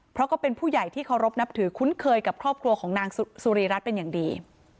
เพราะก็เป็นผู้ใหญ่ที่เคารพนับถือคุ้นเคยกับครอบครัวของนางสุรีรัฐเป็นอย่างดี